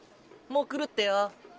もう来るってよ。